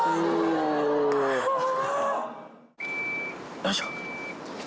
よいしょ。